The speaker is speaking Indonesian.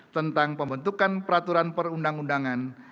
tentang pembentukan peraturan perundang undangan